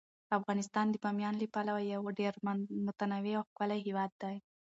افغانستان د بامیان له پلوه یو ډیر متنوع او ښکلی هیواد دی.